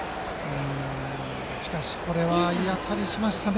しかしこれはいい当たりをしましたね